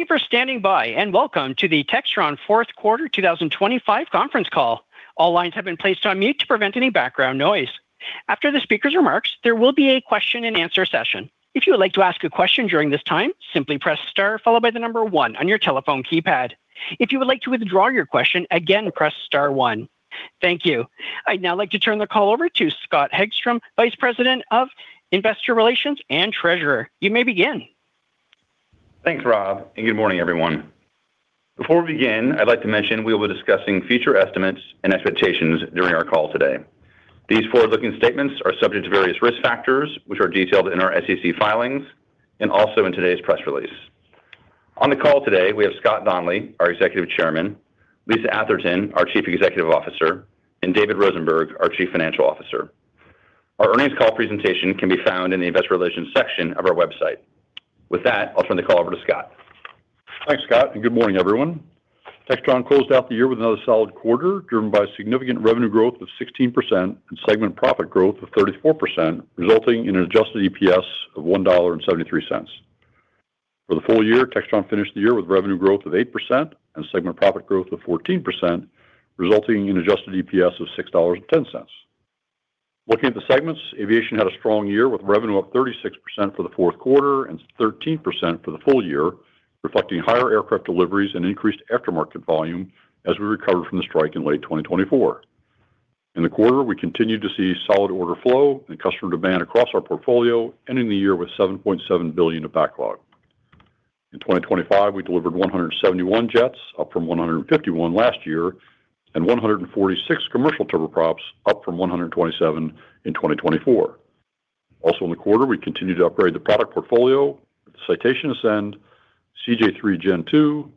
Thank you for standing by, and welcome to the Textron Fourth Quarter 2025 Conference Call. All lines have been placed on mute to prevent any background noise. After the speaker's remarks, there will be a question-and-answer session. If you would like to ask a question during this time, simply press star followed by the number one on your telephone keypad. If you would like to withdraw your question, again, press star one. Thank you. I'd now like to turn the call over to Scott Hegstrom, Vice President of Investor Relations and Treasurer. You may begin. Thanks, Rob, and good morning, everyone. Before we begin, I'd like to mention we will be discussing future estimates and expectations during our call today. These forward-looking statements are subject to various risk factors, which are detailed in our SEC filings and also in today's press release. On the call today, we have Scott Donnelly, our Executive Chairman; Lisa Atherton, our Chief Executive Officer; and David Rosenberg, our Chief Financial Officer. Our earnings call presentation can be found in the Investor Relations section of our website. With that, I'll turn the call over to Scott. Thanks, Scott, and good morning, everyone. Textron closed out the year with another solid quarter, driven by significant revenue growth of 16% and segment profit growth of 34%, resulting in an adjusted EPS of $1.73. For the full year, Textron finished the year with revenue growth of 8% and segment profit growth of 14%, resulting in adjusted EPS of $6.10. Looking at the segments, Aviation had a strong year, with revenue up 36% for the fourth quarter and 13% for the full year, reflecting higher aircraft deliveries and increased aftermarket volume as we recovered from the strike in late 2024. In the quarter, we continued to see solid order flow and customer demand across our portfolio, ending the year with $7.7 billion of backlog. In 2025, we delivered 171 jets, up from 151 last year, and 146 commercial turboprops, up from 127 in 2024. Also in the quarter, we continued to upgrade the product portfolio, with the Citation Ascend, CJ3 Gen2,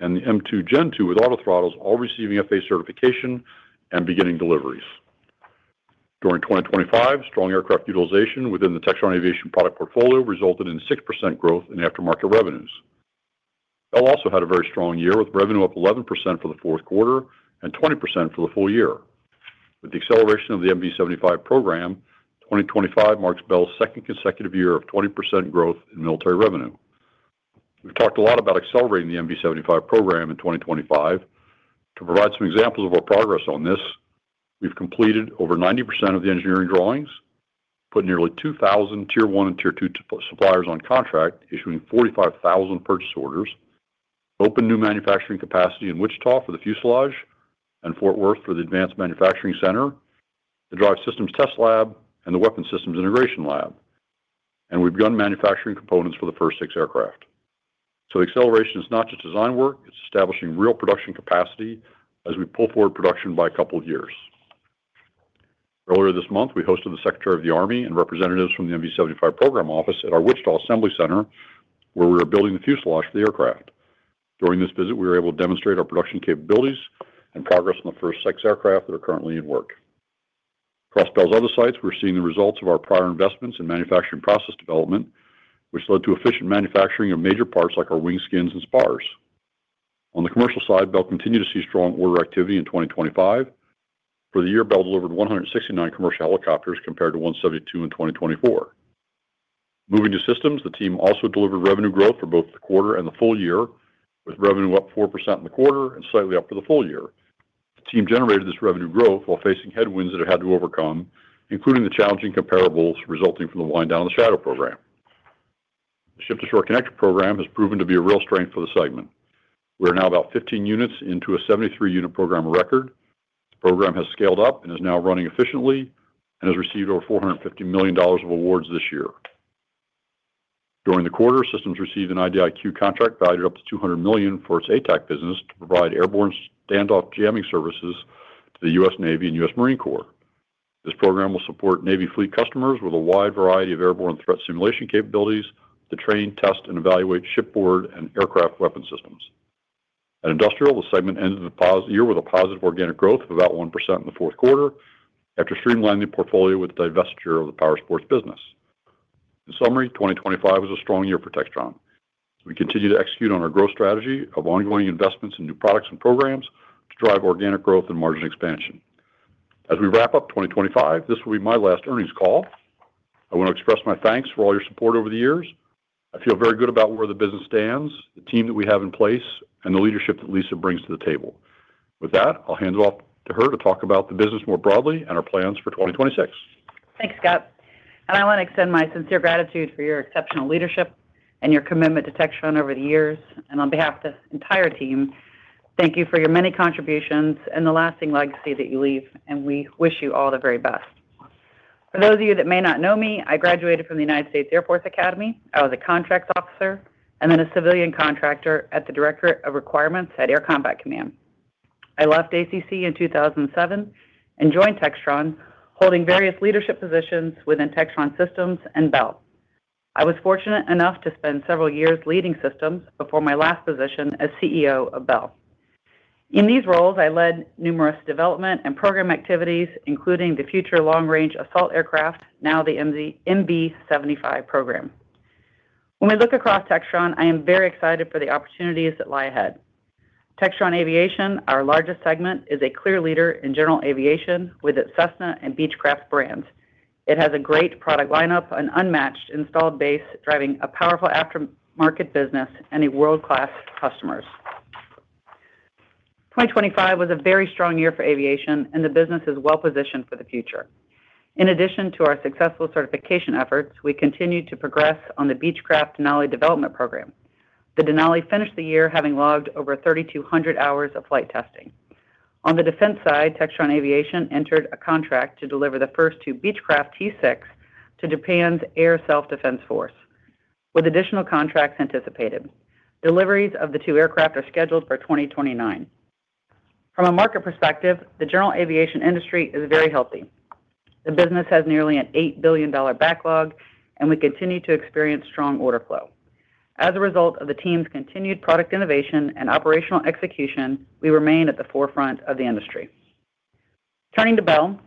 and the M2 Gen2 with autothrottles all receiving FAA certification and beginning deliveries. During 2025, strong aircraft utilization within the Textron Aviation product portfolio resulted in 6% growth in aftermarket revenues. Bell also had a very strong year, with revenue up 11% for the fourth quarter and 20% for the full year. With the acceleration of the MV-75 program, 2025 marks Bell's second consecutive year of 20% growth in military revenue. We've talked a lot about accelerating the MV-75 program in 2025. To provide some examples of our progress on this, we've completed over 90% of the engineering drawings, put nearly 2,000 Tier One and Tier Two suppliers on contract, issuing 45,000 purchase orders, opened new manufacturing capacity in Wichita for the fuselage and Fort Worth for the Advanced Manufacturing Center, the Drive Systems Test Lab, and the Weapon Systems Integration Lab, and we've begun manufacturing components for the first six aircraft. So acceleration is not just design work, it's establishing real production capacity as we pull forward production by a couple of years. Earlier this month, we hosted the Secretary of the Army and representatives from the MV-75 program office at our Wichita Assembly Center, where we are building the fuselage for the aircraft. During this visit, we were able to demonstrate our production capabilities and progress on the first six aircraft that are currently in work. Across Bell's other sites, we're seeing the results of our prior investments in manufacturing process development, which led to efficient manufacturing of major parts like our wing skins and spars. On the commercial side, Bell continued to see strong order activity in 2025. For the year, Bell delivered 169 commercial helicopters, compared to 172 in 2024. Moving to Systems, the team also delivered revenue growth for both the quarter and the full year, with revenue up 4% in the quarter and slightly up for the full year. The team generated this revenue growth while facing headwinds that it had to overcome, including the challenging comparables resulting from the wind down the Shadow program. The Ship-to-Shore Connector program has proven to be a real strength for the segment. We are now about 15 units into a 73-unit program record. The program has scaled up and is now running efficiently and has received over $450 million of awards this year. During the quarter, Systems received an IDIQ contract valued up to $200 million for its ATAC business to provide airborne standoff jamming services to the U.S. Navy and U.S. Marine Corps. This program will support Navy fleet customers with a wide variety of airborne threat simulation capabilities to train, test, and evaluate shipboard and aircraft weapon systems. At Industrial, the segment ended the year with a positive organic growth of about 1% in the fourth quarter after streamlining the portfolio with the divestiture of the powersports business. In summary, 2025 was a strong year for Textron. We continue to execute on our growth strategy of ongoing investments in new products and programs to drive organic growth and margin expansion. As we wrap up 2025, this will be my last earnings call. I want to express my thanks for all your support over the years. I feel very good about where the business stands, the team that we have in place, and the leadership that Lisa brings to the table. With that, I'll hand it off to her to talk about the business more broadly and our plans for 2026. Thanks, Scott, and I want to extend my sincere gratitude for your exceptional leadership and your commitment to Textron over the years. On behalf of the entire team, thank you for your many contributions and the lasting legacy that you leave, and we wish you all the very best. For those of you that may not know me, I graduated from the United States Air Force Academy. I was a contracts officer and then a civilian contractor at the Directorate of Requirements at Air Combat Command. I left ACC in 2007 and joined Textron, holding various leadership positions within Textron Systems and Bell. I was fortunate enough to spend several years leading Systems before my last position as CEO of Bell. In these roles, I led numerous development and program activities, including the Future Long-Range Assault Aircraft, now the MV-75 program. When we look across Textron, I am very excited for the opportunities that lie ahead. Textron Aviation, our largest segment, is a clear leader in general aviation with its Cessna and Beechcraft brands. It has a great product lineup, an unmatched installed base, driving a powerful aftermarket business and a world-class customers. 2025 was a very strong year for aviation, and the business is well-positioned for the future. In addition to our successful certification efforts, we continued to progress on the Beechcraft Denali development program. The Denali finished the year, having logged over 3,200 hours of flight testing. On the defense side, Textron Aviation entered a contract to deliver the first 2 Beechcraft T-6 to Japan's Air Self-Defense Force, with additional contracts anticipated. Deliveries of the 2 aircraft are scheduled for 2029. From a market perspective, the general aviation industry is very healthy. The business has nearly an $8 billion backlog, and we continue to experience strong order flow. As a result of the team's continued product innovation and operational execution, we remain at the forefront of the industry. Turning to Bell,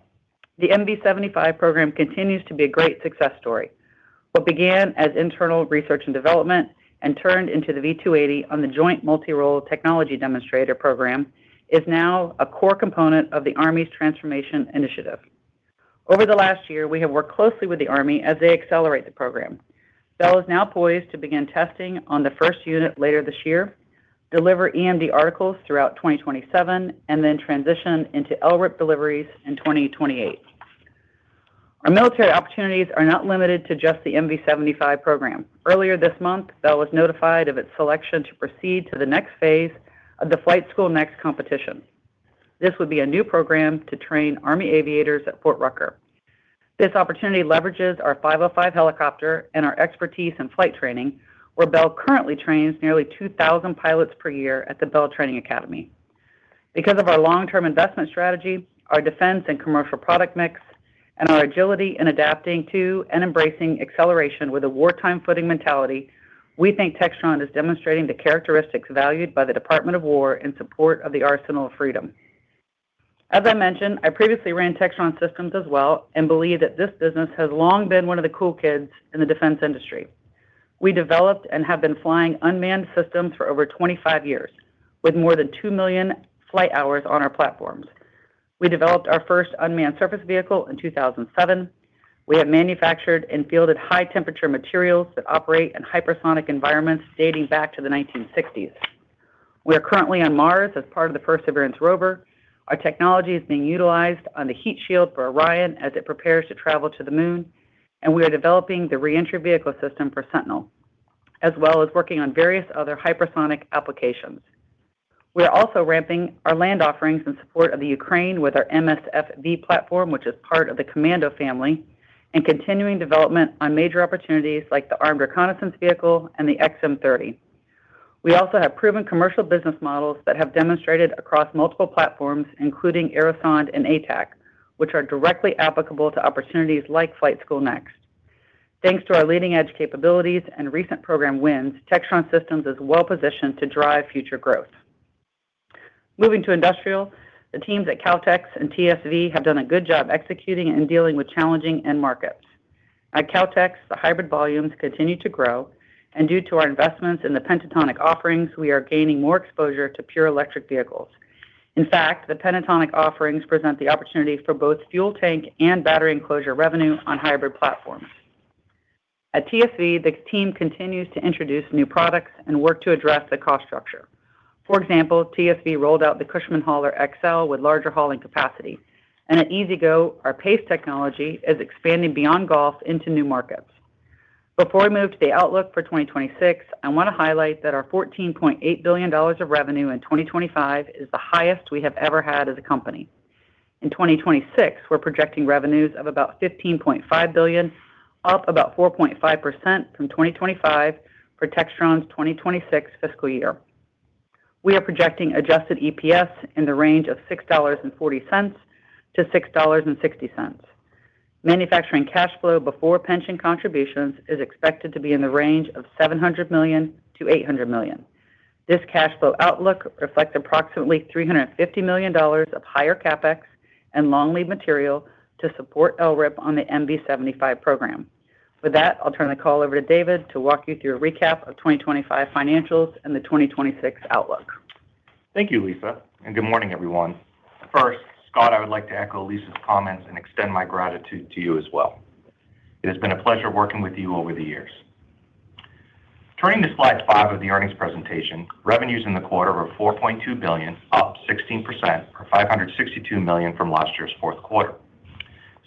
the MV-75 program continues to be a great success story. What began as internal research and development and turned into the V-280 on the Joint Multirole Technology Demonstrator program, is now a core component of the Army's Transformation Initiative. Over the last year, we have worked closely with the Army as they accelerate the program. Bell is now poised to begin testing on the first unit later this year, deliver EMD articles throughout 2027, and then transition into LRIP deliveries in 2028. Our military opportunities are not limited to just the MV-75 program. Earlier this month, Bell was notified of its selection to proceed to the next phase of the Flight School Next competition. This would be a new program to train Army aviators at Fort Rucker. This opportunity leverages our 505 helicopter and our expertise in flight training, where Bell currently trains nearly 2,000 pilots per year at the Bell Training Academy. Because of our long-term investment strategy, our defense and commercial product mix, and our agility in adapting to and embracing acceleration with a wartime footing mentality, we think Textron is demonstrating the characteristics valued by the Department of War in support of the Arsenal of Freedom. As I mentioned, I previously ran Textron Systems as well, and believe that this business has long been one of the cool kids in the defense industry. We developed and have been flying unmanned Systems for over 25 years, with more than 2 million flight hours on our platforms. We developed our first unmanned surface vehicle in 2007. We have manufactured and fielded high-temperature materials that operate in hypersonic environments dating back to the 1960s. We are currently on Mars as part of the Perseverance Rover. Our technology is being utilized on the heat shield for Orion as it prepares to travel to the moon, and we are developing the re-entry vehicle system for Sentinel, as well as working on various other hypersonic applications. We are also ramping our land offerings in support of the Ukraine with our MSFV platform, which is part of the Commando family, and continuing development on major opportunities like the Armed Reconnaissance Vehicle and the XM30. We also have proven commercial business models that have demonstrated across multiple platforms, including Aerosonde and ATAC, which are directly applicable to opportunities like Flight School Next. Thanks to our leading-edge capabilities and recent program wins, Textron Systems is well-positioned to drive future growth. Moving to industrial, the teams at Kautex and TSV have done a good job executing and dealing with challenging end markets. At Kautex, the hybrid volumes continue to grow, and due to our investments in the Pentatonic offerings, we are gaining more exposure to pure electric vehicles. In fact, the Pentatonic offerings present the opportunity for both fuel tank and battery enclosure revenue on hybrid platforms. At TSV, the team continues to introduce new products and work to address the cost structure. For example, TSV rolled out the Cushman Hauler XL with larger hauling capacity, and at E-Z-GO, our PACE Technology is expanding beyond golf into new markets. Before I move to the outlook for 2026, I want to highlight that our $14.8 billion of revenue in 2025 is the highest we have ever had as a company. In 2026, we're projecting revenues of about $15.5 billion, up about 4.5% from 2025 for Textron's 2026 fiscal year. We are projecting adjusted EPS in the range of $6.40-$6.60. Manufacturing cash flow before pension contributions is expected to be in the range of $700 million-$800 million. This cash flow outlook reflects approximately $350 million of higher CapEx and long-lead material to support LRIP on the MV-75 program. For that, I'll turn the call over to David to walk you through a recap of 2025 financials and the 2026 outlook. Thank you, Lisa, and good morning, everyone. First, Scott, I would like to echo Lisa's comments and extend my gratitude to you as well. It has been a pleasure working with you over the years. Turning to slide 5 of the earnings presentation, revenues in the quarter were $4.2 billion, up 16% or $562 million from last year's fourth quarter.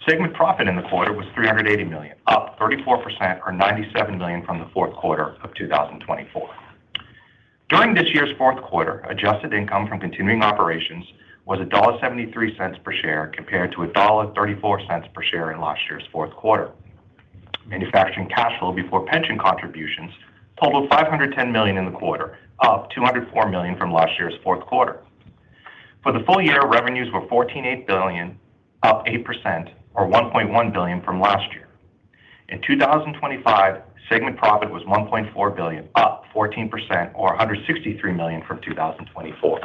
Segment profit in the quarter was $380 million, up 34%, or $97 million from the fourth quarter of 2024. During this year's fourth quarter, adjusted income from continuing operations was $1.73 per share, compared to $1.34 per share in last year's fourth quarter. Manufacturing cash flow before pension contributions totaled $510 million in the quarter, up $204 million from last year's fourth quarter. For the full year, revenues were $14.8 billion, up 8% or $1.1 billion from last year. In 2025, segment profit was $1.4 billion, up 14% or $163 million from 2024.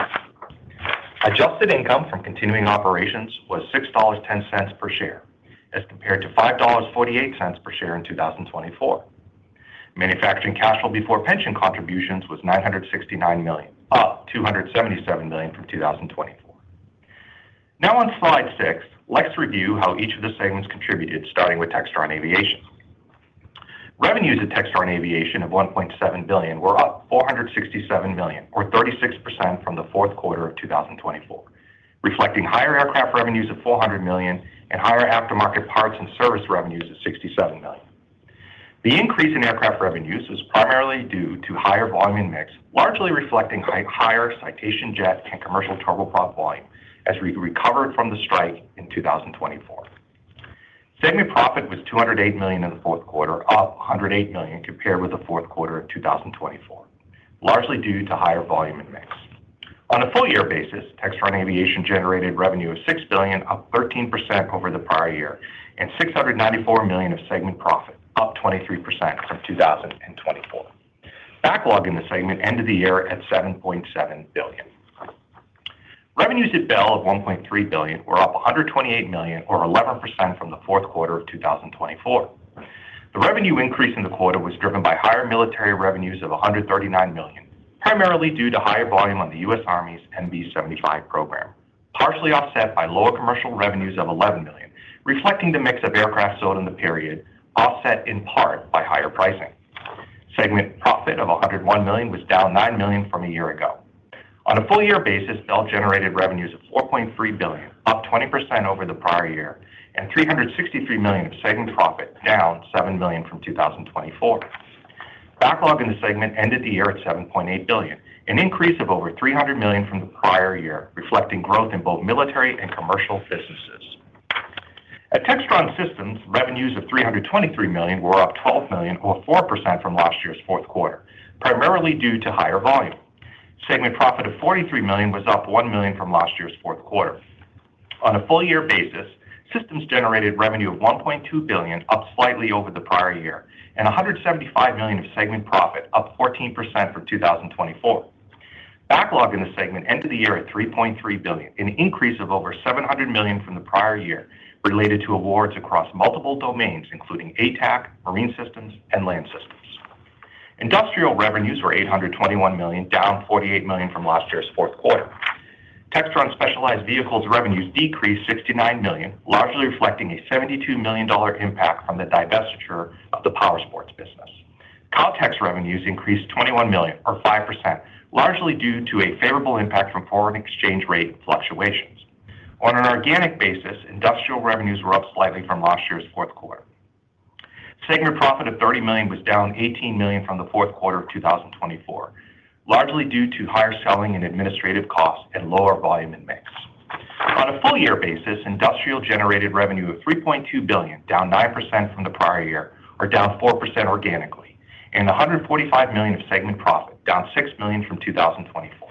Adjusted income from continuing operations was $6.10 per share, as compared to $5.48 per share in 2024. Manufacturing cash flow before pension contributions was $969 million, up $277 million from 2024. Now on slide 6, let's review how each of the segments contributed, starting with Textron Aviation. Revenues at Textron Aviation of $1.7 billion were up $467 million, or 36% from the fourth quarter of 2024, reflecting higher aircraft revenues of $4 million and higher aftermarket parts and service revenues of $67 million. The increase in aircraft revenues was primarily due to higher volume and mix, largely reflecting higher citation jet and commercial turboprop volume as we recovered from the strike in 2024. Segment profit was $208 million in the fourth quarter, up $108 million compared with the fourth quarter of 2024, largely due to higher volume and mix. On a full year basis, Textron Aviation generated revenue of $6 billion, up 13% over the prior year, and $694 million of segment profit, up 23% from 2024. Backlog in the segment ended the year at $7.7 billion. Revenues at Bell of $1.3 billion were up $128 million, or 11% from the fourth quarter of 2024. The revenue increase in the quarter was driven by higher military revenues of $139 million, primarily due to higher volume on the U.S. Army's MV-75 program, partially offset by lower commercial revenues of $11 million, reflecting the mix of aircraft sold in the period, offset in part by higher pricing. Segment profit of $101 million was down $9 million from a year ago. On a full year basis, Bell generated revenues of $4.3 billion, up 20% over the prior year, and $363 million of segment profit, down $7 million from 2024. Backlog in the segment ended the year at $7.8 billion, an increase of over $300 million from the prior year, reflecting growth in both military and commercial businesses. At Textron Systems, revenues of $323 million were up $12 million, or 4% from last year's fourth quarter, primarily due to higher volume. Segment profit of $43 million was up $1 million from last year's fourth quarter. On a full year basis, Systems generated revenue of $1.2 billion, up slightly over the prior year, and $175 million of segment profit, up 14% from 2024. Backlog in the segment ended the year at $3.3 billion, an increase of over $700 million from the prior year, related to awards across multiple domains, including ATAC, Marine Systems, and Land Systems. Industrial revenues were $821 million, down $48 million from last year's fourth quarter. Textron Specialized Vehicles revenues decreased $69 million, largely reflecting a $72 million impact from the divestiture of the powersports business. Kautex revenues increased $21 million, or 5%, largely due to a favorable impact from foreign exchange rate fluctuations. On an organic basis, Industrial revenues were up slightly from last year's fourth quarter. Segment profit of $30 million was down $18 million from the fourth quarter of 2024, largely due to higher selling and administrative costs and lower volume and mix. On a full year basis, Industrial generated revenue of $3.2 billion, down 9% from the prior year, or down 4% organically, and $145 million of segment profit, down $6 million from 2024.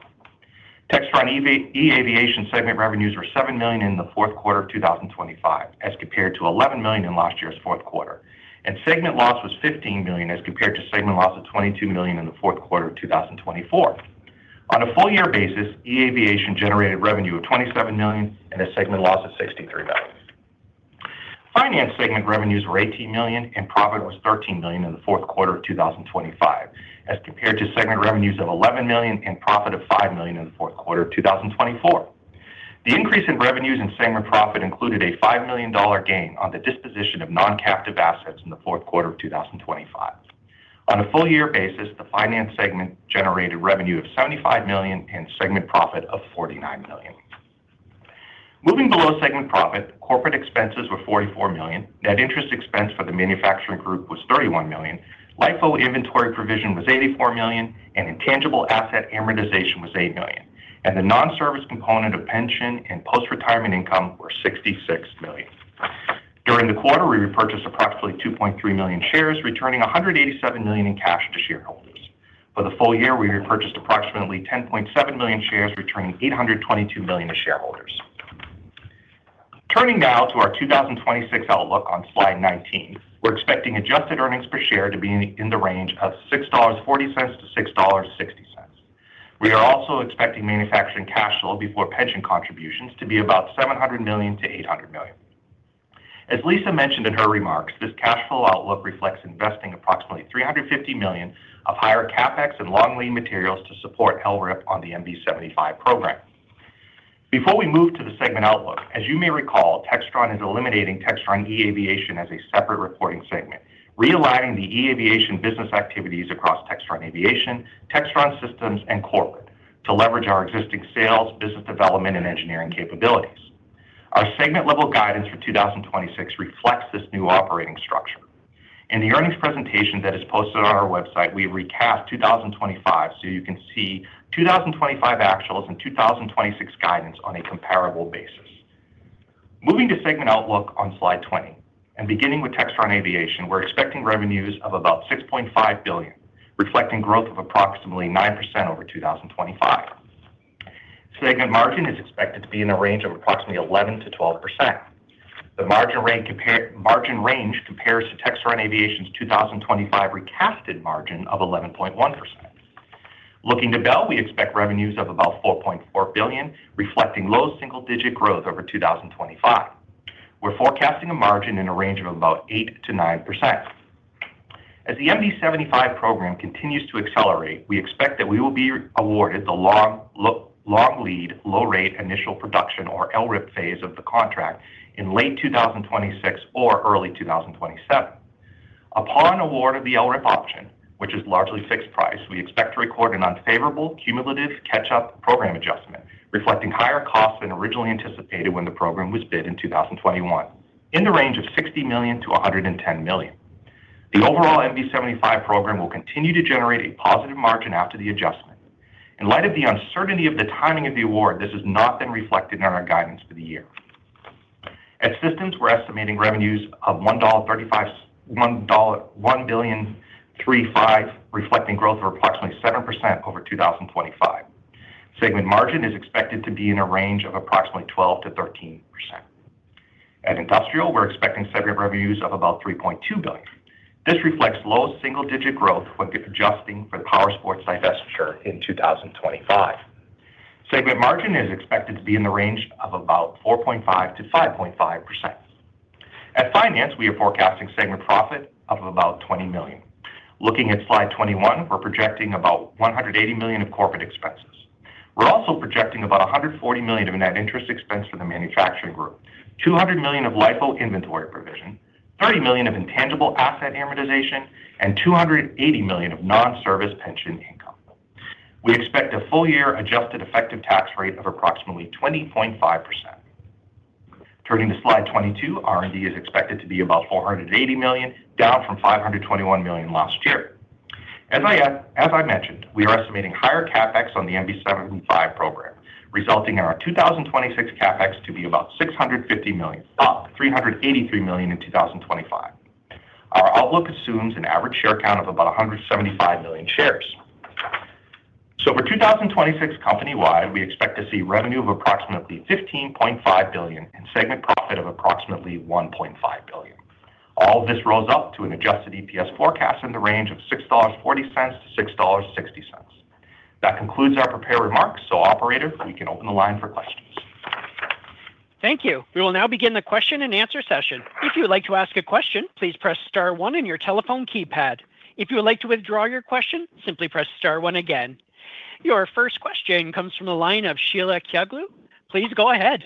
Textron eAviation segment revenues were $7 million in the fourth quarter of 2025, as compared to $11 million in last year's fourth quarter, and segment loss was $15 million, as compared to segment loss of $22 million in the fourth quarter of 2024. On a full year basis, eAviation generated revenue of $27 million and a segment loss of $63 million. Finance segment revenues were $18 million and profit was $13 million in the fourth quarter of 2025, as compared to segment revenues of $11 million and profit of $5 million in the fourth quarter of 2024. The increase in revenues and segment profit included a $5 million gain on the disposition of non-captive assets in the fourth quarter of 2025. On a full year basis, the finance segment generated revenue of $75 million and segment profit of $49 million. Moving below segment profit, corporate expenses were $44 million. Net interest expense for the manufacturing group was $31 million. LIFO inventory provision was $84 million, and intangible asset amortization was $8 million, and the non-service component of pension and post-retirement income were $66 million. During the quarter, we repurchased approximately 2.3 million shares, returning $187 million in cash to shareholders. For the full year, we repurchased approximately 10.7 million shares, returning $822 million to shareholders. Turning now to our 2026 outlook on slide 19, we're expecting adjusted earnings per share to be in the range of $6.40-$6.60. We are also expecting manufacturing cash flow before pension contributions to be about $700 million-$800 million. As Lisa mentioned in her remarks, this cash flow outlook reflects investing approximately $350 million of higher CapEx and long lead materials to support LRIP on the MV-75 program. Before we move to the segment outlook, as you may recall, Textron is eliminating Textron eAviation as a separate reporting segment, realigning the eAviation business activities across Textron Aviation, Textron Systems, and Corporate to leverage our existing sales, business development and engineering capabilities. Our segment level guidance for 2026 reflects this new operating structure. In the earnings presentation that is posted on our website, we recast 2025 so you can see 2025 actuals and 2026 guidance on a comparable basis. Moving to segment outlook on slide 20 and beginning with Textron Aviation, we're expecting revenues of about $6.5 billion, reflecting growth of approximately 9% over 2025. Segment margin is expected to be in the range of approximately 11%-12%. The margin range compares to Textron Aviation's 2025 recasted margin of 11.1%. Looking to Bell, we expect revenues of about $4.4 billion, reflecting low single-digit growth over 2025. We're forecasting a margin in a range of about 8%-9%. As the MV-75 program continues to accelerate, we expect that we will be awarded the long lead, low rate initial production, or LRIP phase of the contract in late 2026 or early 2027. Upon award of the LRIP option, which is largely fixed price, we expect to record an unfavorable cumulative catch-up program adjustment, reflecting higher costs than originally anticipated when the program was bid in 2021, in the range of $60 million-$110 million. The overall MV-75 program will continue to generate a positive margin after the adjustment. In light of the uncertainty of the timing of the award, this has not been reflected in our guidance for the year. At Systems, we're estimating revenues of $1.35 billion, reflecting growth of approximately 7% over 2025. Segment margin is expected to be in a range of approximately 12%-13%. At Industrial, we're expecting segment revenues of about $3.2 billion. This reflects low single-digit growth when adjusting for the Powersports divestiture in 2025. Segment margin is expected to be in the range of about 4.5%-5.5%. At Finance, we are forecasting segment profit of about $20 million. Looking at slide 21, we're projecting about $180 million of corporate expenses. We're also projecting about $140 million of net interest expense for the manufacturing group, $200 million of LIFO inventory provision, $30 million of intangible asset amortization, and $280 million of non-service pension income. We expect a full-year adjusted effective tax rate of approximately 20.5%. Turning to slide 22, R&D is expected to be about $480 million, down from $521 million last year. As I mentioned, we are estimating higher CapEx on the MV-75 program, resulting in our 2026 CapEx to be about $650 million, up $383 million in 2025. Our outlook assumes an average share count of about 175 million shares. So for 2026 company-wide, we expect to see revenue of approximately $15.5 billion and segment profit of approximately $1.5 billion. All of this rolls up to an adjusted EPS forecast in the range of $6.40-$6.60. That concludes our prepared remarks. So Operator, we can open the line for questions. Thank you. We will now begin the question-and-answer session. If you would like to ask a question, please press star one on your telephone keypad. If you would like to withdraw your question, simply press star one again. Your first question comes from the line of Sheila Kahyaoglu. Please go ahead.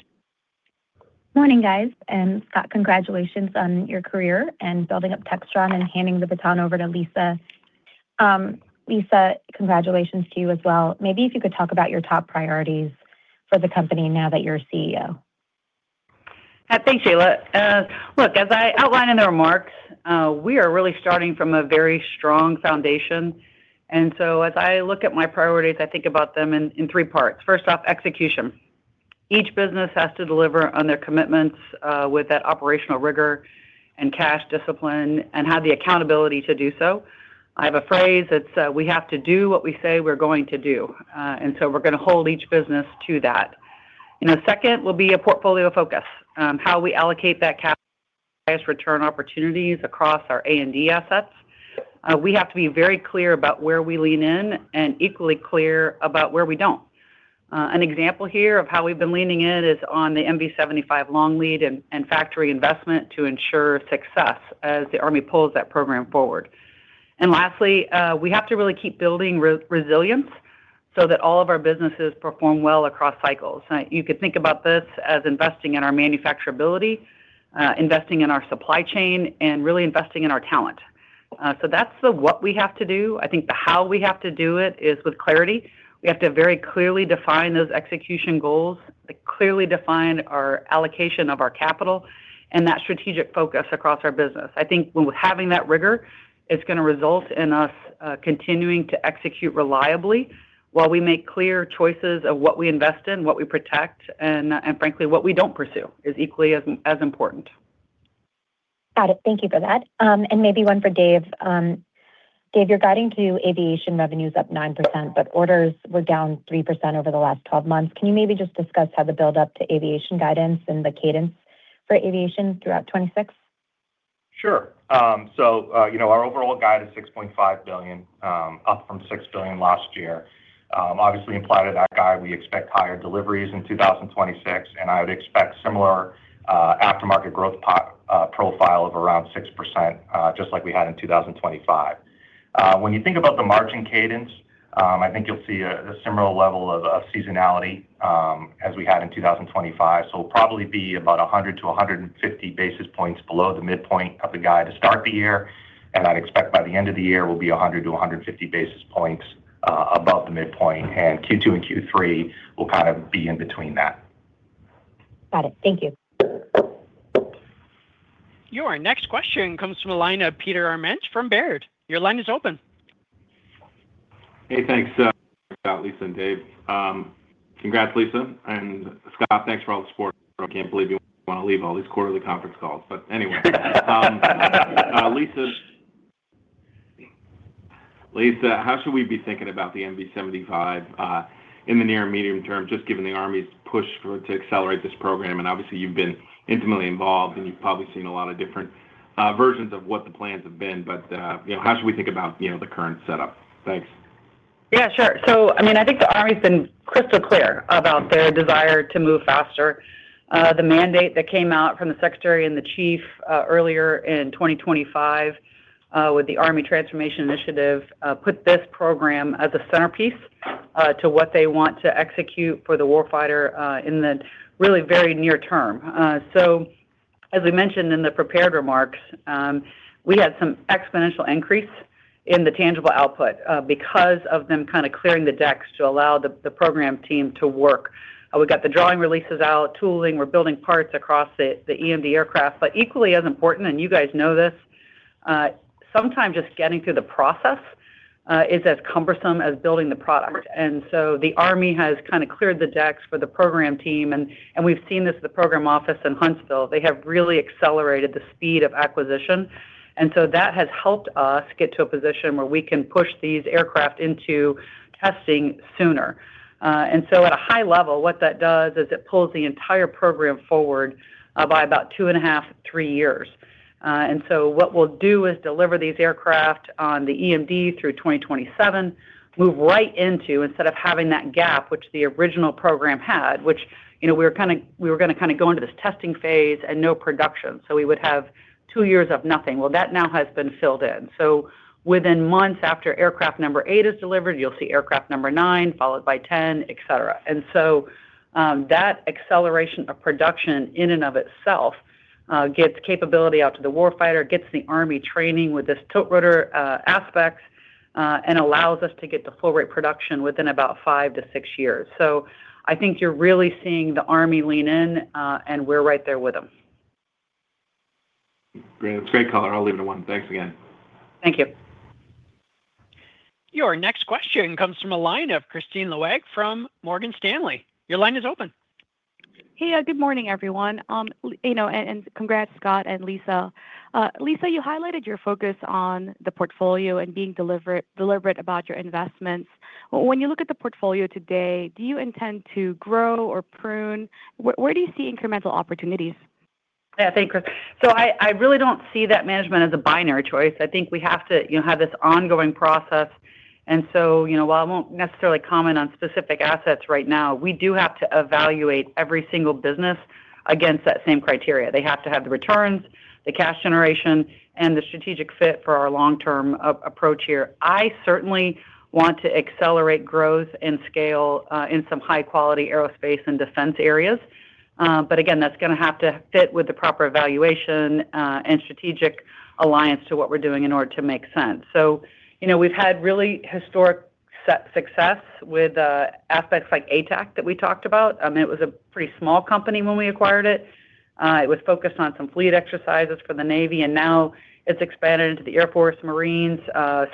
Morning, guys, and Scott, congratulations on your career and building up Textron and handing the baton over to Lisa. Lisa, congratulations to you as well. Maybe if you could talk about your top priorities for the company now that you're CEO. Thanks, Sheila. Look, as I outlined in the remarks, we are really starting from a very strong foundation, and so as I look at my priorities, I think about them in three parts. First off, execution. Each business has to deliver on their commitments, with that operational rigor and cash discipline and have the accountability to do so. I have a phrase, it's: We have to do what we say we're going to do. And so we're going to hold each business to that. And the second will be a portfolio focus, how we allocate that capital return opportunities across our Industrial assets. We have to be very clear about where we lean in and equally clear about where we don't. An example here of how we've been leaning in is on the MV-75 long lead and factory investment to ensure success as the Army pulls that program forward. And lastly, we have to really keep building resilience so that all of our businesses perform well across cycles. You could think about this as investing in our manufacturability, investing in our supply chain, and really investing in our talent. So that's the what we have to do. I think the how we have to do it is with clarity. We have to very clearly define those execution goals, to clearly define our allocation of our capital and that strategic focus across our business. I think having that rigor is going to result in us continuing to execute reliably while we make clear choices of what we invest in, what we protect, and, and frankly, what we don't pursue is equally as, as important. Got it. Thank you for that. And maybe one for Dave. Dave, you're guiding to aviation revenues up 9%, but orders were down 3% over the last twelve months. Can you maybe just discuss how the buildup to aviation guidance and the cadence for aviation throughout 2026? Sure. So, you know, our overall guide is $6.5 billion, up from $6 billion last year. Obviously, implied to that guide, we expect higher deliveries in 2026, and I would expect similar aftermarket growth profile of around 6%, just like we had in 2025. When you think about the margin cadence, I think you'll see a similar level of seasonality, as we had in 2025. So we'll probably be about 100-150 basis points below the midpoint of the guide to start the year, and I'd expect by the end of the year, we'll be 100-150 basis points above the midpoint, and Q2 and Q3 will kind of be in between that. Got it. Thank you. Your next question comes from the line of Peter Arment from Baird. Your line is open. Hey, thanks, Scott, Lisa, and Dave. Congrats, Lisa, and Scott, thanks for all the support. I can't believe you want to leave all these quarterly conference calls. Lisa-... Lisa, how should we be thinking about the MV-75 in the near and medium term, just given the Army's push for to accelerate this program? And obviously, you've been intimately involved, and you've probably seen a lot of different versions of what the plans have been, but you know, how should we think about you know, the current setup? Thanks. Yeah, sure. So, I mean, I think the Army's been crystal clear about their desire to move faster. The mandate that came out from the Secretary and the Chief, earlier in 2025, with the Army Transformation Initiative, put this program as a centerpiece, to what they want to execute for the warfighter, in the really very near term. So as we mentioned in the prepared remarks, we had some exponential increase in the tangible output, because of them kind of clearing the decks to allow the program team to work. We got the drawing releases out, tooling, we're building parts across the EMD aircraft. But equally as important, and you guys know this, sometimes just getting through the process is as cumbersome as building the product. So the Army has kind of cleared the decks for the program team, and we've seen this, the program office in Huntsville. They have really accelerated the speed of acquisition. So that has helped us get to a position where we can push these aircraft into testing sooner. So at a high level, what that does is it pulls the entire program forward by about 2.5 to 3 years. So what we'll do is deliver these aircraft on the EMD through 2027, move right into, instead of having that gap, which the original program had, which, you know, we were gonna kind of go into this testing phase and no production, so we would have 2 years of nothing. Well, that now has been filled in. So within months after aircraft number 8 is delivered, you'll see aircraft number 9, followed by 10, et cetera. And so, that acceleration of production in and of itself, gets capability out to the warfighter, gets the Army training with this tiltrotor aspect, and allows us to get to full rate production within about 5 to 6 years. So I think you're really seeing the Army lean in, and we're right there with them. Great. That's a great color. I'll leave it at one. Thanks again. Thank you. Your next question comes from a line of Kristine Liwag from Morgan Stanley. Your line is open. Hey, good morning, everyone. You know, congrats, Scott and Lisa. Lisa, you highlighted your focus on the portfolio and being deliberate, deliberate about your investments. When you look at the portfolio today, do you intend to grow or prune? Where do you see incremental opportunities? Yeah, thanks, Chris. So I really don't see that management as a binary choice. I think we have to, you know, have this ongoing process. And so, you know, while I won't necessarily comment on specific assets right now, we do have to evaluate every single business against that same criteria. They have to have the returns, the cash generation, and the strategic fit for our long-term approach here. I certainly want to accelerate growth and scale in some high-quality aerospace and defense areas. But again, that's gonna have to fit with the proper evaluation and strategic alliance to what we're doing in order to make sense. So, you know, we've had really historic success with aspects like ATAC that we talked about. I mean, it was a pretty small company when we acquired it. It was focused on some fleet exercises for the Navy, and now it's expanded into the Air Force, Marines,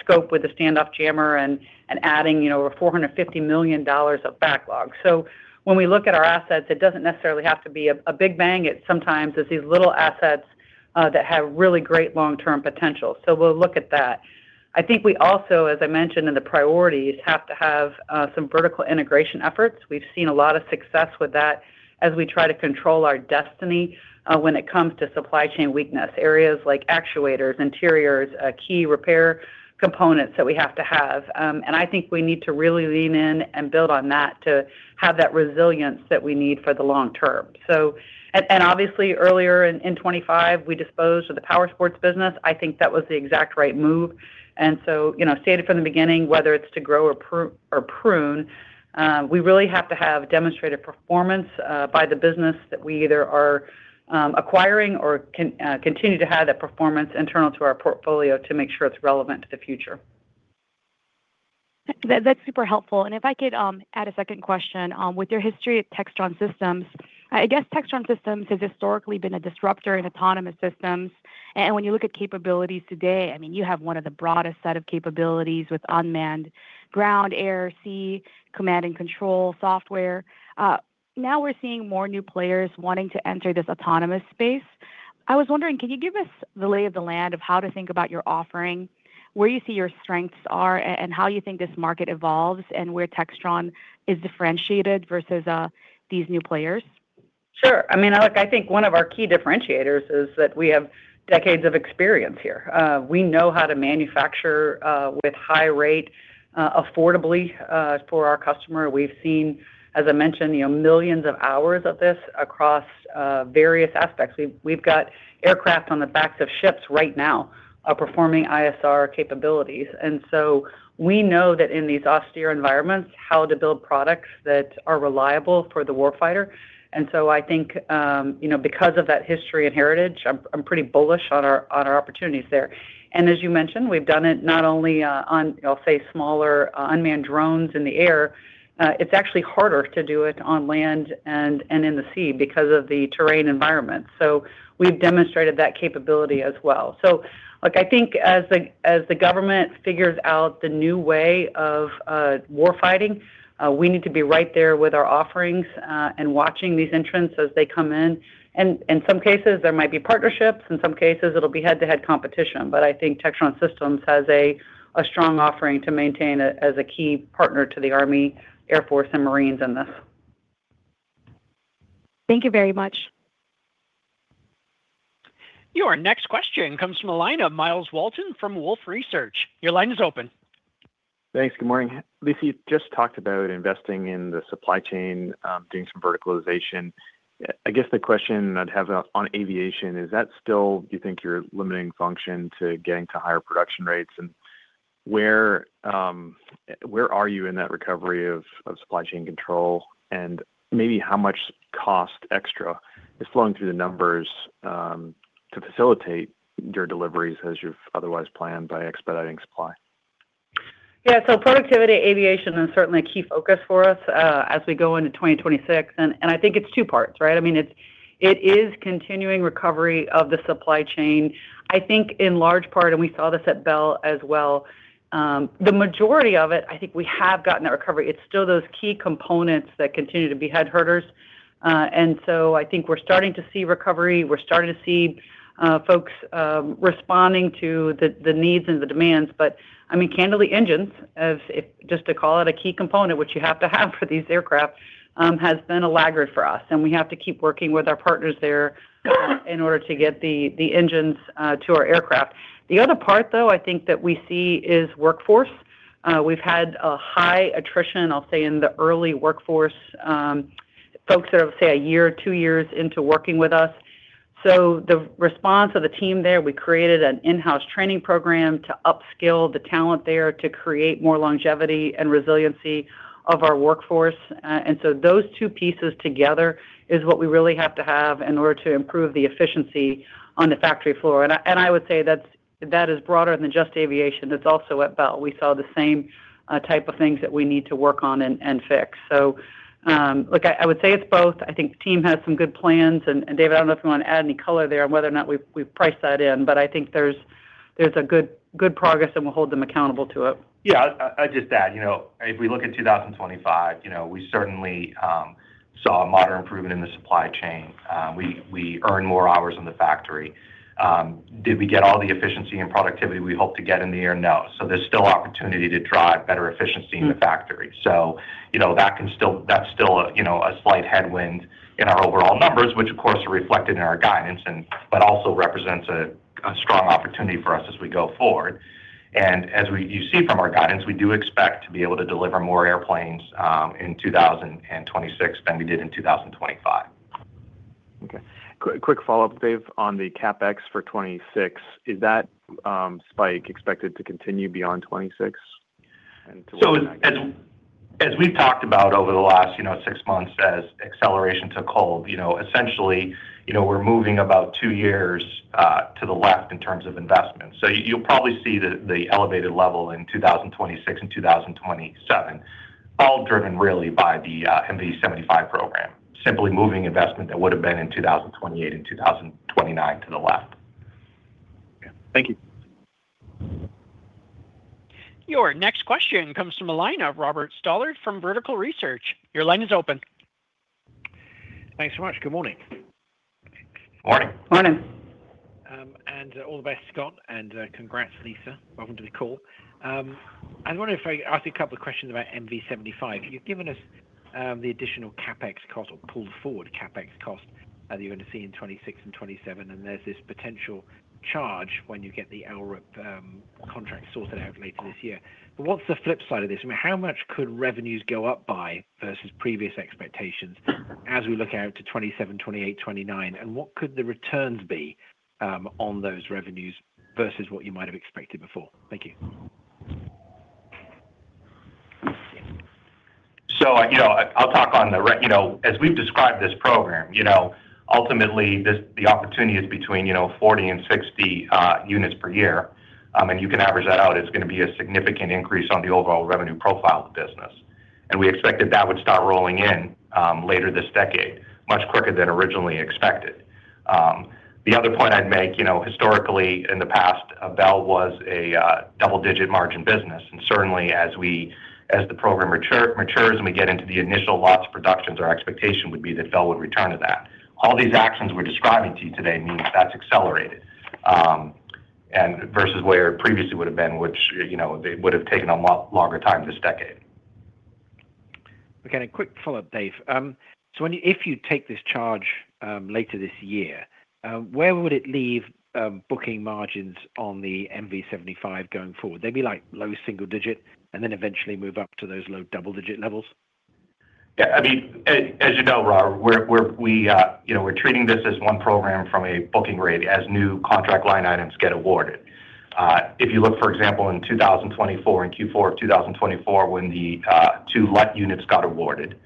scope with the stand-off jammer and adding, you know, over $450 million of backlog. So when we look at our assets, it doesn't necessarily have to be a big bang. It sometimes is these little assets that have really great long-term potential, so we'll look at that. I think we also, as I mentioned in the priorities, have to have some vertical integration efforts. We've seen a lot of success with that as we try to control our destiny when it comes to supply chain weakness, areas like actuators, interiors, key repair components that we have to have. And I think we need to really lean in and build on that to have that resilience that we need for the long term. So... And obviously, earlier in 2025, we disposed of the powersports business. I think that was the exact right move. And so, you know, stated from the beginning, whether it's to grow or prune, we really have to have demonstrated performance by the business that we either are acquiring or continue to have that performance internal to our portfolio to make sure it's relevant to the future. That, that's super helpful. And if I could add a second question, with your history at Textron Systems, I guess Textron Systems has historically been a disruptor in autonomous systems. And when you look at capabilities today, I mean, you have one of the broadest set of capabilities with unmanned ground, air, sea, command and control software. Now we're seeing more new players wanting to enter this autonomous space. I was wondering, can you give us the lay of the land of how to think about your offering, where you see your strengths are, and how you think this market evolves, and where Textron is differentiated versus these new players? Sure. I mean, look, I think one of our key differentiators is that we have decades of experience here. We know how to manufacture with high rate affordably for our customer. We've seen, as I mentioned, you know, millions of hours of this across various aspects. We've got aircraft on the backs of ships right now performing ISR capabilities. And so we know that in these austere environments, how to build products that are reliable for the war fighter. And so I think, you know, because of that history and heritage, I'm pretty bullish on our opportunities there. And as you mentioned, we've done it not only on, I'll say, smaller unmanned drones in the air, it's actually harder to do it on land and in the sea because of the terrain environment. So we've demonstrated that capability as well. So, look, I think as the, as the government figures out the new way of war fighting, we need to be right there with our offerings, and watching these entrants as they come in. And in some cases, there might be partnerships, in some cases, it'll be head-to-head competition. But I think Textron Systems has a strong offering to maintain as a key partner to the Army, Air Force, and Marines in this. Thank you very much. Your next question comes from the line of Myles Walton from Wolfe Research. Your line is open. Thanks. Good morning. Lisa, you just talked about investing in the supply chain, doing some verticalization. I guess the question I'd have on aviation, is that still, do you think your limiting function to getting to higher production rates? And where, where are you in that recovery of, of supply chain control? And maybe how much cost extra is flowing through the numbers, to facilitate your deliveries as you've otherwise planned by expediting supply? Yeah. So Textron Aviation is certainly a key focus for us, as we go into 2026, and I think it's two parts, right? I mean, it is continuing recovery of the supply chain. I think in large part, and we saw this at Bell as well, the majority of it, I think we have gotten that recovery. It's still those key components that continue to be headaches. And so I think we're starting to see recovery. We're starting to see folks responding to the needs and the demands, but I mean, candidly, engines, as if just to call it a key component, which you have to have for these aircraft, has been a laggard for us, and we have to keep working with our partners there in order to get the engines to our aircraft. The other part, though, I think that we see is workforce. We've had a high attrition, I'll say, in the early workforce, folks that are, say, a year or two years into working with us. So the response of the team there, we created an in-house training program to upskill the talent there, to create more longevity and resiliency of our workforce. And so those two pieces together is what we really have to have in order to improve the efficiency on the factory floor. And I would say that's, that is broader than just aviation. It's also at Bell. We saw the same type of things that we need to work on and fix. So, look, I would say it's both. I think the team has some good plans, and David, I don't know if you want to add any color there on whether or not we've priced that in, but I think there's good progress, and we'll hold them accountable to it. Yeah, I'll just add, you know, if we look at 2025, you know, we certainly saw a moderate improvement in the supply chain. We earned more hours in the factory. Did we get all the efficiency and productivity we hoped to get in the year? No. So there's still opportunity to drive better efficiency in the factory. So, you know, that can still, that's still a, you know, a slight headwind in our overall numbers, which of course, are reflected in our guidance and, but also represents a, a strong opportunity for us as we go forward. And as we, you see from our guidance, we do expect to be able to deliver more airplanes in 2026 than we did in 2025. Okay. Quick, quick follow-up, Dave, on the CapEx for 2026. Is that spike expected to continue beyond 2026? And to what- So as we've talked about over the last, you know, six months as acceleration took hold, you know, essentially, you know, we're moving about 2 years to the left in terms of investment. So you'll probably see the elevated level in 2026 and 2027, all driven really by the MV-75 program, simply moving investment that would have been in 2028 and 2029 to the left. Yeah. Thank you. Your next question comes from the line of Robert Stallard from Vertical Research. Your line is open. Thanks so much. Good morning. Morning. Morning. All the best, Scott, and congrats, Lisa. Welcome to the call. I wonder if I could ask you a couple of questions about MV-75. You've given us the additional CapEx cost or pulled forward CapEx cost that you're going to see in 2026 and 2027, and there's this potential charge when you get the LRIP contract sorted out later this year. But what's the flip side of this? I mean, how much could revenues go up by versus previous expectations as we look out to 2027, 2028, 2029? And what could the returns be on those revenues versus what you might have expected before? Thank you. You know, as we've described this program, you know, ultimately, this, the opportunity is between 40 and 60 units per year. And you can average that out, it's going to be a significant increase on the overall revenue profile of the business. And we expected that would start rolling in later this decade, much quicker than originally expected. The other point I'd make, you know, historically, in the past, Bell was a double-digit margin business, and certainly as we, as the program matures and we get into the initial lots of productions, our expectation would be that Bell would return to that. All these actions we're describing to you today means that's accelerated, and versus where it previously would have been, which, you know, they would have taken a lot longer time this decade. Okay, a quick follow-up, Dave. So when you if you take this charge later this year, where would it leave booking margins on the MV-75 going forward? They'd be like low single digit and then eventually move up to those low double-digit levels? Yeah, I mean, as you know, Rob, we're treating this as one program from a booking rate as new contract line items get awarded. If you look, for example, in 2024, in Q4 of 2024, when the two LRIP units got awarded,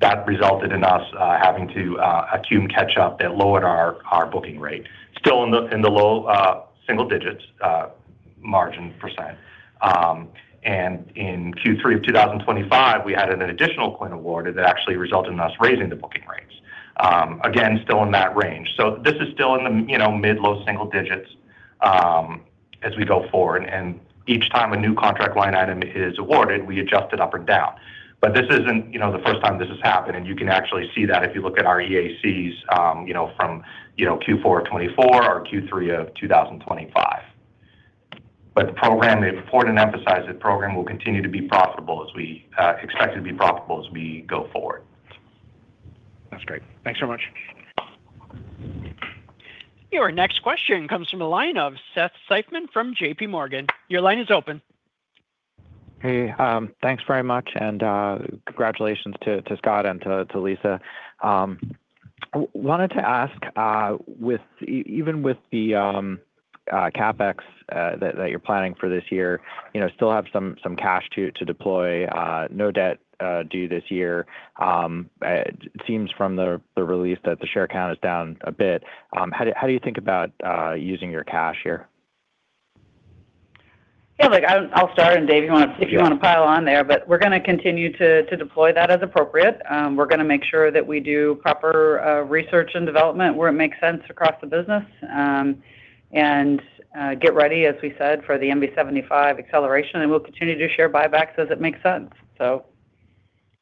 that resulted in us having to accrue and catch up. That lowered our booking rate, still in the low single digits margin percent. And in Q3 of 2025, we had an additional CLIN awarded that actually resulted in us raising the booking rates. Again, still in that range. So this is still in the, you know, mid low single digits, as we go forward, and each time a new contract line item is awarded, we adjust it up or down. But this isn't, you know, the first time this has happened, and you can actually see that if you look at our EACs, you know, from, you know, Q4 of 2024 or Q3 of 2025. But the program, they report and emphasize that program will continue to be profitable as we expect it to be profitable as we go forward. That's great. Thanks so much. Your next question comes from the line of Seth Seifman from J.P. Morgan. Your line is open. Hey, thanks very much, and congratulations to Scott and to Lisa. Wanted to ask, with even with the CapEx that you're planning for this year, you know, still have some cash to deploy, no debt due this year. It seems from the release that the share count is down a bit. How do you think about using your cash here? Yeah, look, I'll start, and Dave, you wanna pile on there. But we're gonna continue to deploy that as appropriate. We're gonna make sure that we do proper research and development where it makes sense across the business, and get ready, as we said, for the MV-75 acceleration, and we'll continue to do share buybacks as it makes sense. So...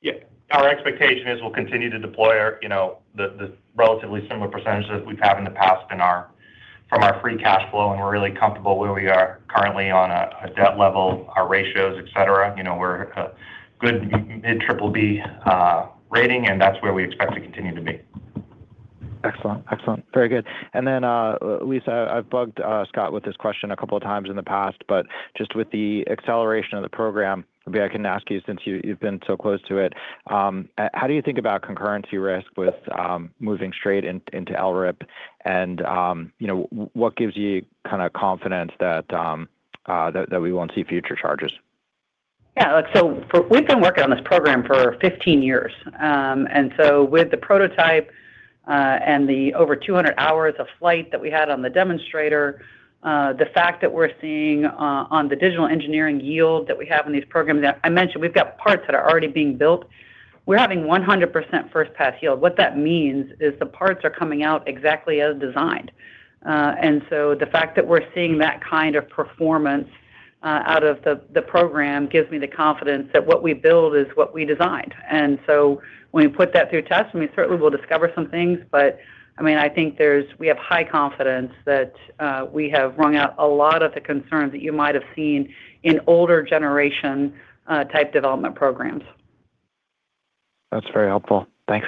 Yeah. Our expectation is we'll continue to deploy our, you know, the relatively similar percentages we've had in the past in our, from our free cash flow, and we're really comfortable where we are currently on a debt level, our ratios, et cetera. You know, we're a good mid triple B rating, and that's where we expect to continue to be. Excellent. Excellent. Very good. And then, Lisa, I've bugged, Scott with this question a couple of times in the past, but just with the acceleration of the program, maybe I can ask you since you've been so close to it, how do you think about concurrency risk with, moving straight into LRIP? And, you know, what gives you kinda confidence that, that we won't see future charges? Yeah, look, so we've been working on this program for 15 years. And so with the prototype, and the over 200 hours of flight that we had on the demonstrator, the fact that we're seeing, on the digital engineering yield that we have in these programs, I mentioned we've got parts that are already being built. We're having 100% first pass yield. What that means is the parts are coming out exactly as designed. And so the fact that we're seeing that kind of performance, out of the program gives me the confidence that what we build is what we designed. And so when we put that through test, and we certainly will discover some things, but, I mean, I think there's, we have high confidence that we have wrung out a lot of the concerns that you might have seen in older generation type development programs. That's very helpful. Thanks.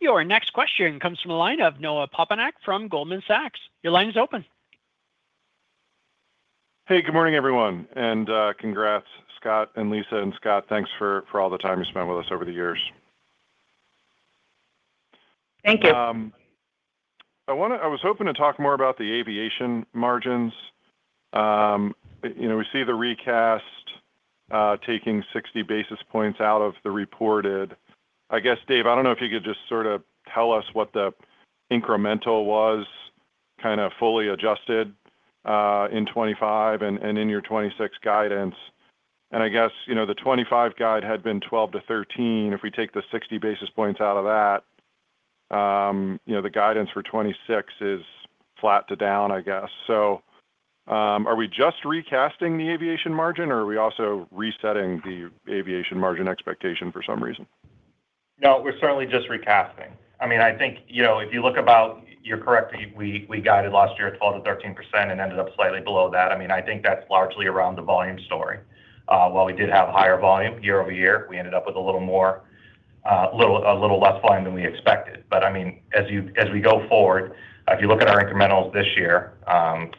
Your next question comes from a line of Noah Poponak from Goldman Sachs. Your line is open. Hey, good morning, everyone, and congrats, Scott and Lisa. Scott, thanks for all the time you spent with us over the years. Thank you. I wanna, I was hoping to talk more about the aviation margins. You know, we see the recast taking 60 basis points out of the reported. I guess, Dave, I don't know if you could just sort of tell us what the incremental was, kinda fully adjusted, in 2025 and, and in your 2026 guidance. And I guess, you know, the 2025 guide had been 12 to 13. If we take the 60 basis points out of that, you know, the guidance for 2026 is flat to down, I guess. So, are we just recasting the aviation margin, or are we also resetting the aviation margin expectation for some reason? No, we're certainly just recasting. I mean, I think, you know, if you look about... You're correct, we, we guided last year at 12%-13% and ended up slightly below that. I mean, I think that's largely around the volume story. While we did have higher volume year-over-year, we ended up with a little more, a little less volume than we expected. But I mean, as we go forward, if you look at our incrementals this year,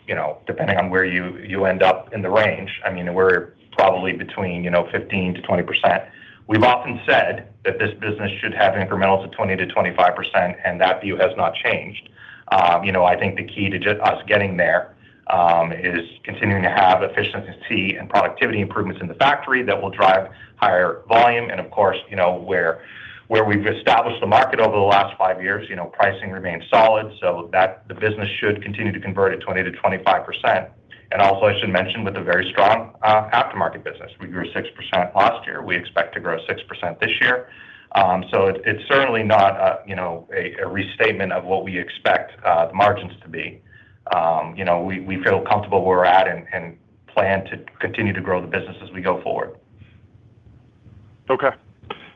you know, depending on where you end up in the range, I mean, we're probably between, you know, 15%-20%. We've often said that this business should have incrementals of 20%-25%, and that view has not changed. You know, I think the key to just us getting there is continuing to have efficiency and productivity improvements in the factory that will drive higher volume. Of course, you know, where we've established the market over the last five years, you know, pricing remains solid, so that the business should continue to convert at 20%-25%. Also, I should mention, with a very strong aftermarket business. We grew 6% last year. We expect to grow 6% this year. So it's certainly not, you know, a restatement of what we expect the margins to be. You know, we feel comfortable where we're at and plan to continue to grow the business as we go forward. Okay.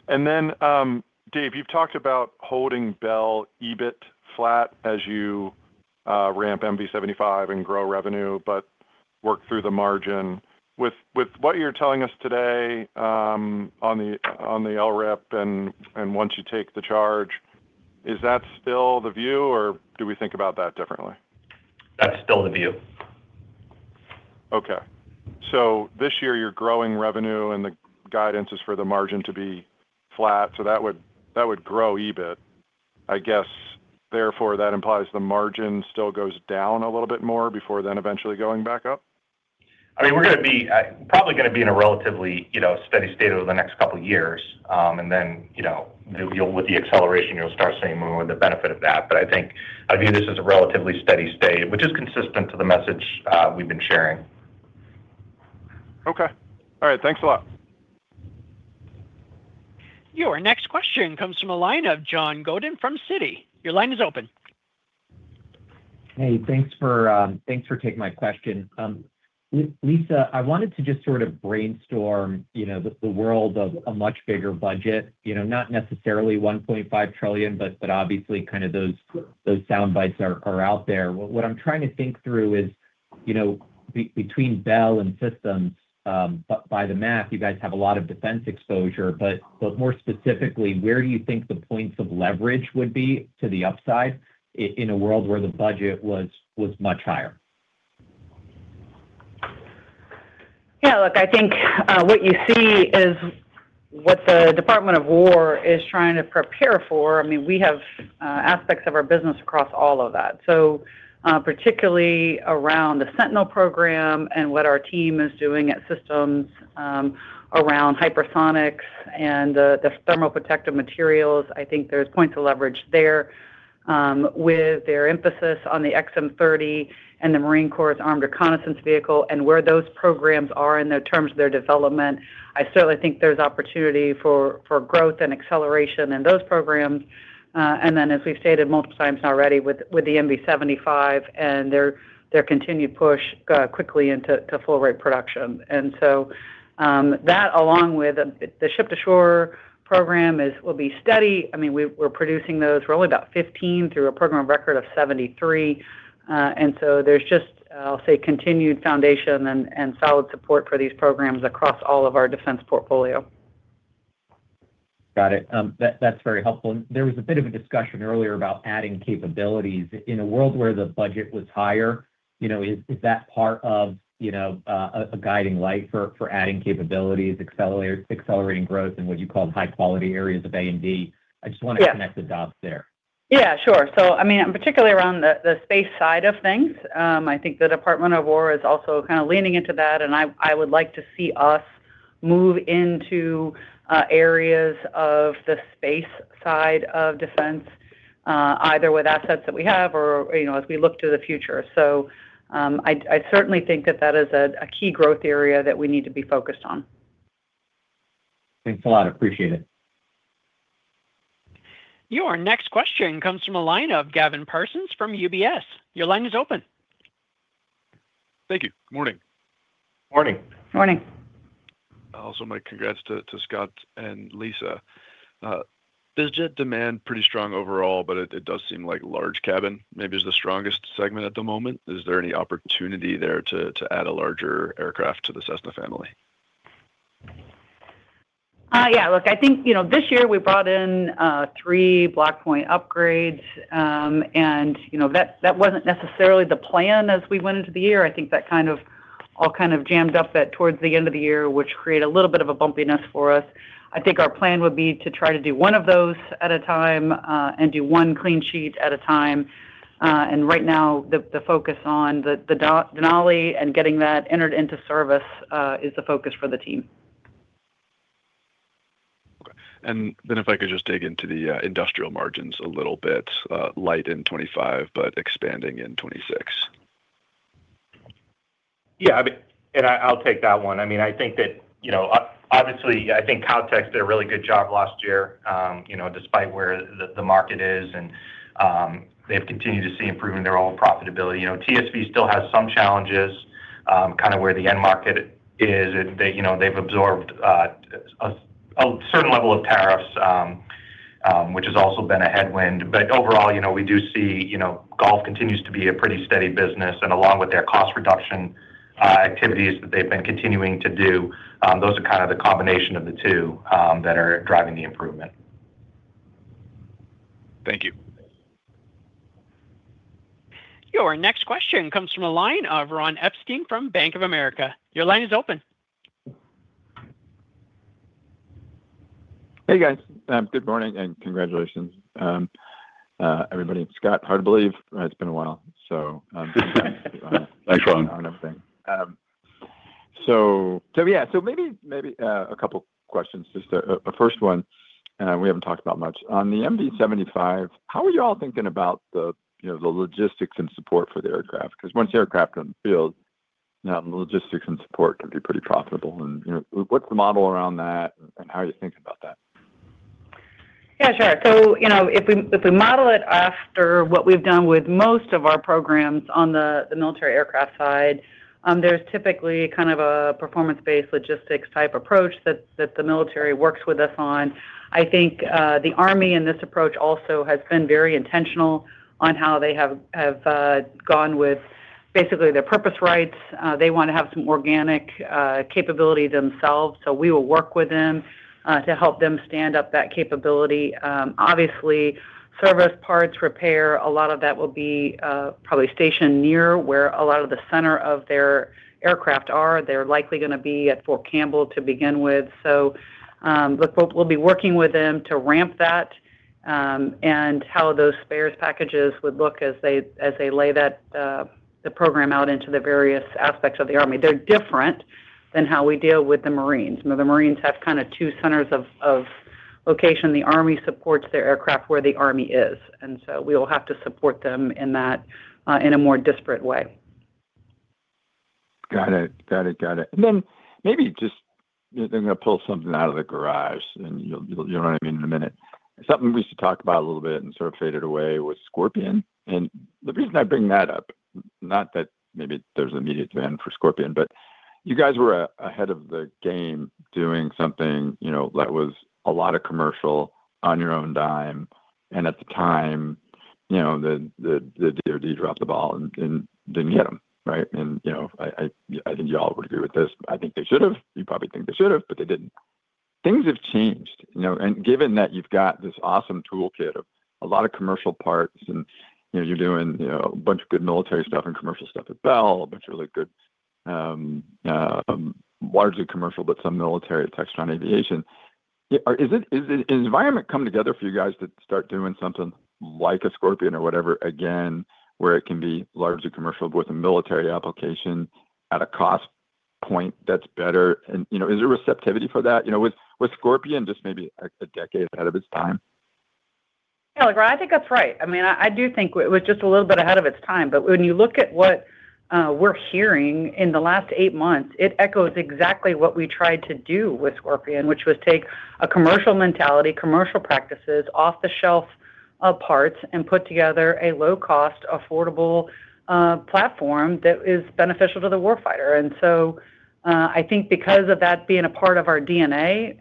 And then, Dave, you've talked about holding Bell EBIT flat as you ramp MV-75 and grow revenue, but work through the margin. With what you're telling us today, on the LRIP and once you take the charge, is that still the view, or do we think about that differently? That's still the view. Okay. So this year, you're growing revenue, and the guidance is for the margin to be flat, so that would grow EBIT. I guess, therefore, that implies the margin still goes down a little bit more before then eventually going back up? I mean, we're gonna be, uh, probably gonna be in a relatively, you know, steady state over the next couple of years. And then, you know, with the acceleration, you'll start seeing more of the benefit of that. But I think I view this as a relatively steady state, which is consistent to the message we've been sharing. Okay. All right. Thanks a lot. Your next question comes from a line of John Godyn from Citi. Your line is open. Hey, thanks for taking my question. Lisa, I wanted to just sort of brainstorm, you know, the world of a much bigger budget, you know, not necessarily $1.5 trillion, but obviously kind of those sound bites are out there. What I'm trying to think through is, you know, between Bell and systems, by the math, you guys have a lot of defense exposure. But more specifically, where do you think the points of leverage would be to the upside in a world where the budget was much higher? Yeah, look, I think what you see is what the Department of War is trying to prepare for. I mean, we have aspects of our business across all of that. So, particularly around the Sentinel program and what our team is doing at systems, around hypersonics and the thermal protective materials, I think there's points of leverage there. With their emphasis on the XM30 and the Marine Corps Armed Reconnaissance Vehicle, and where those programs are in their terms of their development, I certainly think there's opportunity for growth and acceleration in those programs. And then, as we've stated multiple times already, with the MV-75 and their continued push, quickly into full rate production. And so, that along with the Ship-to-Shore program is, will be steady. I mean, we're producing those. We're only about 15 through a program of record of 73. So there's just, I'll say, continued foundation and solid support for these programs across all of our defense portfolio. Got it. That's very helpful. There was a bit of a discussion earlier about adding capabilities. In a world where the budget was higher, you know, is that part of, you know, a guiding light for adding capabilities, accelerating growth in what you call high-quality areas of A&D? Yeah. I just want to connect the dots there. Yeah, sure. So, I mean, particularly around the space side of things, I think the Department of War is also kind of leaning into that, and I would like to see us move into areas of the space side of defense, either with assets that we have or, you know, as we look to the future. So, I certainly think that that is a key growth area that we need to be focused on. Thanks a lot. Appreciate it. Your next question comes from a line of Gavin Parsons from UBS. Your line is open. Thank you. Morning. Morning. Morning. I also, my congrats to Scott and Lisa. Business demand pretty strong overall, but it does seem like large cabin maybe is the strongest segment at the moment. Is there any opportunity there to add a larger aircraft to the Cessna family? Yeah, look, I think, you know, this year we brought in three Block Point upgrades. You know, that wasn't necessarily the plan as we went into the year. I think that kind of all kind of jammed up towards the end of the year, which created a little bit of a bumpiness for us. I think our plan would be to try to do one of those at a time, and do one clean sheet at a time. Right now, the focus on the Denali and getting that entered into service is the focus for the team. Okay. And then if I could just dig into the Industrial margins a little bit, light in 2025, but expanding in 2026. Yeah, I mean, and I, I'll take that one. I mean, I think that, you know, obviously, I think Kautex did a really good job last year, you know, despite where the market is, and, they've continued to see improvement in their own profitability. You know, TSV still has some challenges, kind of where the end market is, and they, you know, they've absorbed a certain level of tariffs, which has also been a headwind. But overall, you know, we do see, you know, golf continues to be a pretty steady business, and along with their cost reduction activities that they've been continuing to do, those are kind of the combination of the two that are driving the improvement. Thank you. Your next question comes from a line of Ron Epstein from Bank of America. Your line is open. Hey, guys. Good morning and congratulations. Everybody, it's Scott. Hard to believe it's been a while. Thanks, Ron. A couple questions. Just, first one, we haven't talked about much. On the MV-75, how are you all thinking about the, you know, the logistics and support for the aircraft? Because once the aircraft are in the field, the logistics and support can be pretty profitable. And, you know, what's the model around that, and how are you thinking about that? Yeah, sure. So, you know, if we, if we model it after what we've done with most of our programs on the, the military aircraft side, there's typically kind of a Performance-Based Logistics type approach that, that the military works with us on. I think, the Army in this approach also has been very intentional on how they have gone with basically their proprietary rights. They want to have some organic capability themselves, so we will work with them to help them stand up that capability. Obviously, service, parts, repair, a lot of that will be probably stationed near where a lot of the center of their aircraft are. They're likely gonna be at Fort Campbell to begin with. So, look, we'll be working with them to ramp that, and how those spares packages would look as they lay that, the program out into the various aspects of the Army. They're different than how we deal with the Marines. You know, the Marines have kind of two centers of location. The Army supports their aircraft where the Army is, and so we will have to support them in that, in a more disparate way. Got it. Got it, got it. And then maybe they're gonna pull something out of the garage, and you'll, you'll, you'll know what I mean in a minute. Something we used to talk about a little bit and sort of faded away was Scorpion. And the reason I bring that up, not that maybe there's an immediate demand for Scorpion, but you guys were ahead of the game doing something, you know, that was a lot of commercial on your own dime. And at the time, you know, the DOD dropped the ball and didn't get them, right? And, you know, I think you all would agree with this. I think they should have. You probably think they should have, but they didn't. Things have changed, you know, and given that you've got this awesome toolkit of a lot of commercial parts, and, you know, you're doing, you know, a bunch of good military stuff and commercial stuff at Bell, a bunch of really good, largely commercial, but some military at Textron Aviation. Yeah, is the environment coming together for you guys to start doing something like a Scorpion or whatever, again, where it can be largely commercial, but with a military application at a cost point that's better? And, you know, is there receptivity for that? You know, was Scorpion just maybe a decade ahead of its time? Yeah, look, I think that's right. I mean, I do think it was just a little bit ahead of its time. But when you look at what we're hearing in the last eight months, it echoes exactly what we tried to do with Scorpion, which was take a commercial mentality, commercial practices off the shelf parts, and put together a low-cost, affordable platform that is beneficial to the war fighter. And so, I think because of that being a part of our DNA,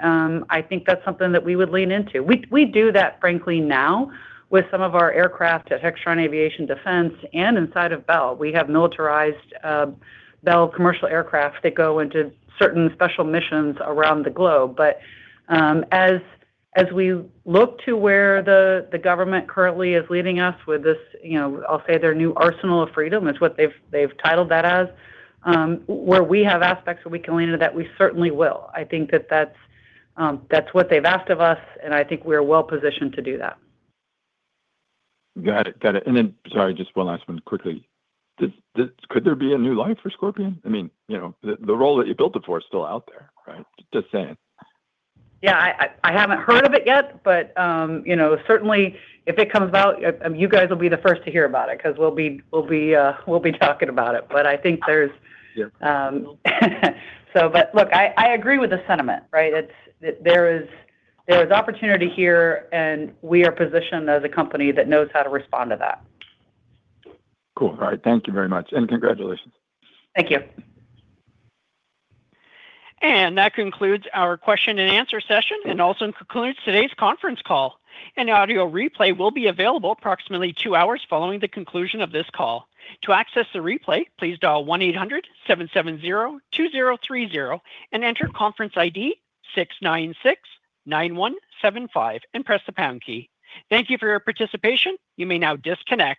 I think that's something that we would lean into. We do that, frankly, now with some of our aircraft at Textron Aviation Defense and inside of Bell. We have militarized Bell commercial aircraft that go into certain special missions around the globe. But as we look to where the government currently is leading us with this, you know, I'll say their new arsenal of freedom is what they've titled that as, where we have aspects where we can lean into that, we certainly will. I think that's what they've asked of us, and I think we're well positioned to do that. Got it. Got it. And then, sorry, just one last one quickly. Does could there be a new life for Scorpion? I mean, you know, the role that you built it for is still out there, right? Just saying. Yeah, I haven't heard of it yet, but you know, certainly if it comes about, you guys will be the first to hear about it, 'cause we'll be talking about it. But I think there's- Yeah. But look, I agree with the sentiment, right? It's... There is opportunity here, and we are positioned as a company that knows how to respond to that. Cool. All right. Thank you very much, and congratulations. Thank you. That concludes our question and answer session, and also concludes today's conference call. An audio replay will be available approximately 2 hours following the conclusion of this call. To access the replay, please dial 1-800-770-2030 and enter conference ID 6969175, and press the pound key. Thank you for your participation. You may now disconnect.